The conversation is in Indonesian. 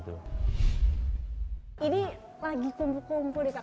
ini lagi kumpul kumpul nih kak